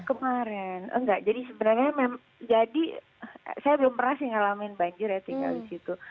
kemarin enggak jadi sebenarnya jadi saya belum pernah sih ngalamin banjir ya tinggal di situ